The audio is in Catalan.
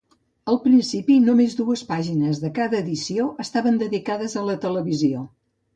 Al principi, només dues pàgines de cada edició estaven dedicades a la televisió.